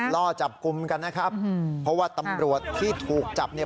ล่อจับกลุ่มกันนะครับเพราะว่าตำรวจที่ถูกจับเนี่ย